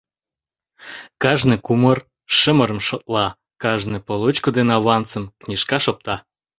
Кажне кумыр-шымырым шотла, кажне получко ден авансым книжкаш опта.